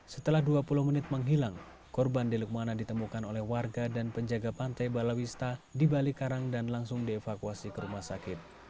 setelah dua puluh menit menghilang korban di lukmana ditemukan oleh warga dan penjaga pantai balawista di balik karang dan langsung dievakuasi ke rumah sakit